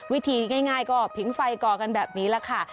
วิธีง่ายก็ผิงไฟก่อกันแบบนี้แหละค่ะ